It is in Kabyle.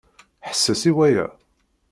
Ḥesses i waya!